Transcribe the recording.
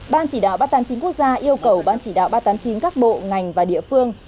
ban chỉ đạo ba trăm tám mươi chín quốc gia yêu cầu ban chỉ đạo ba trăm tám mươi chín các bộ ngành và địa phương